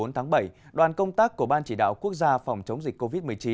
bốn tháng bảy đoàn công tác của ban chỉ đạo quốc gia phòng chống dịch covid một mươi chín